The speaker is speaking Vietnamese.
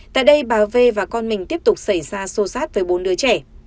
tại đây bà v và con mình tiếp tục xảy ra sô sát với bốn đứa trẻ